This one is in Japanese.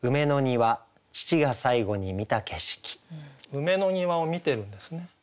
梅の庭を観てるんですね。